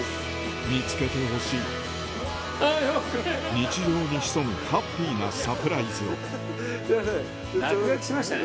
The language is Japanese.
見つけてほしい日常に潜むハッピーなサプライズを落書きしましたね？